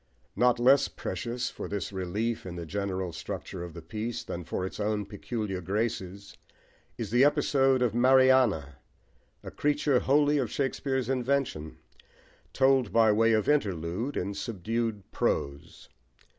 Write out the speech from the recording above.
Not less precious for this relief in the general structure of the piece, than for its own peculiar graces is the episode of Mariana, a creature wholly of Shakespeare's invention, told, by way of interlude, in subdued prose.